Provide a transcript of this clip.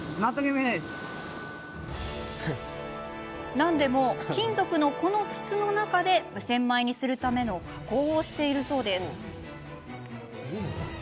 なんでも、金属のこの筒の中で無洗米にするための加工をしているそう。